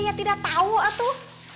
ya tidak tahu tuh